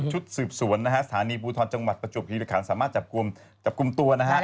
ชุดสืบสวนนะฮะสถานีภูทรจังหวัดประจวบฮิริคันสามารถจับกลุ่มจับกลุ่มตัวนะฮะ